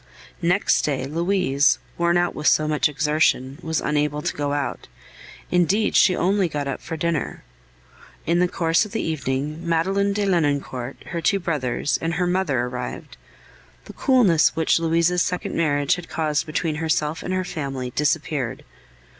Next day, Louise, worn out with so much exertion, was unable to go out; indeed, she only got up for dinner. In the course of the evening, Madeleine de Lenoncourt, her two brothers, and her mother arrived. The coolness which Louise's second marriage had caused between herself and her family disappeared.